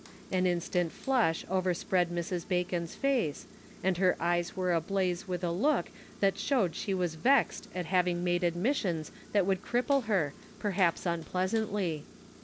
An instant flush overspread Mrs. Bacon's face, and her eyes were ablaze with a look that showed she was vexed at having made admissions that would cripple her, perhaps unpleasantly.